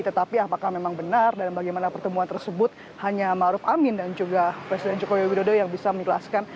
tetapi apakah memang benar dan bagaimana pertemuan tersebut hanya maruf amin dan juga presiden joko widodo yang bisa menjelaskan